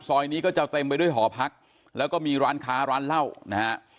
ซอยนี้ก็จะเต็มไปด้วยหอพักแล้วก็มีร้านค้าร้านเหล้านะฮะ